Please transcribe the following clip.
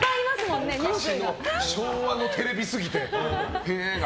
昭和のテレビ過ぎて。へが。